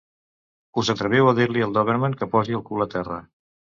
Us atreviu a dir-li al dòberman que posi el cul al terra.